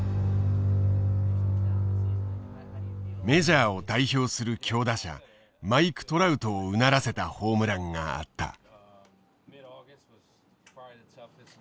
メジャーを代表する強打者マイク・トラウトをうならせたホームランがあった。